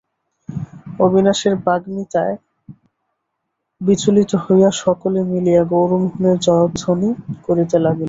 অবিনাশের বাগ্মিতায় বিচলিত হইয়া সকলে মিলিয়া গৌরমোহনের জয়ধ্বনি করিতে লাগিল।